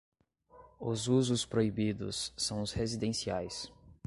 Os usos proibidos são os residenciais.